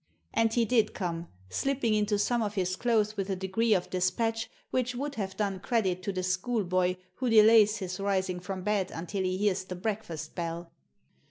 And he did come, slipping into some of his clothes with a degree of despatch which would have done credit to the schoolboy who delays his rising from bed until he hears the breakfast bell.